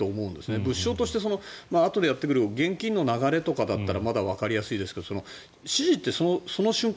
物証としてあとでやってくる現金の流れとかだったらまだ、わかりやすいですけど指示ってその瞬間